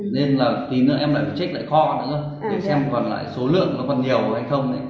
nên là tí nữa em lại phải check lại kho nữa để xem còn lại số lượng nó còn nhiều hay không